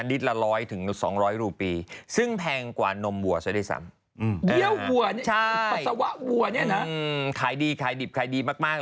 นิดละร้อยถึงสองร้อยรูปีซึ่งแพงกว่านมวัวซะได้ซ้ำ